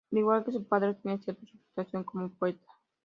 Al igual que su padre tenía cierta reputación como poeta.